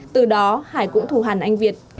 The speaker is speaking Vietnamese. từ đó hải cũng thù hàn anh việt